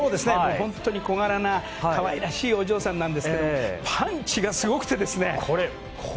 本当に小柄な可愛らしいお嬢さんなんですがパンチがすごくてですね。